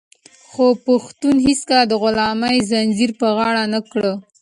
خو پښتنو هيڅکله د غلامۍ زنځير په غاړه نه کړ.